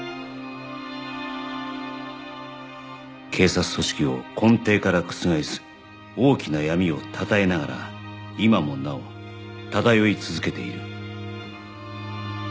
警察組織を根底から覆す大きな闇を湛えながら今も尚漂い続けている